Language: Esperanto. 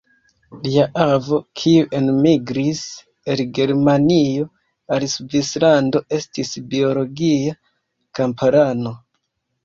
Lia avo, kiu enmigris el Germanio al Svislando estis biologia kamparano.